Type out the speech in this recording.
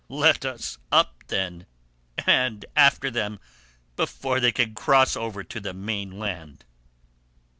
Let us be up, then, and after them, before they can cross over to the main land."